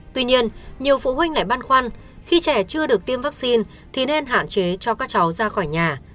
tuy nhiên nhiều phụ huynh lại băn khoăn khi trẻ chưa được tiêm vaccine thì nên hạn chế cho các cháu ra khỏi nhà